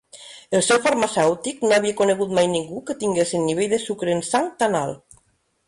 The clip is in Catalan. El seu farmacèutic no havia conegut mai ningú que tingués el nivell de sucre en sang tan alt.